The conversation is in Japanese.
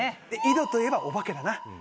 井戸といえばお化けだな。